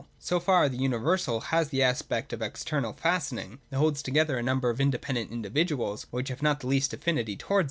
So far the universal has the aspect of an external fastening, that holds together a number of independent individuals, which have not the least affinity towards it.